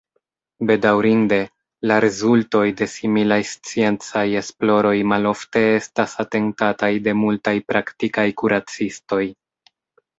Bedaŭrinde, la rezultoj de similaj sciencaj esploroj malofte estas atentataj de multaj praktikaj kuracistoj.